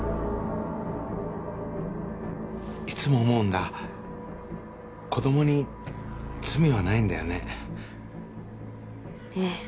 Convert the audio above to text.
いつも思うんだ子どもに罪はないんだよねええ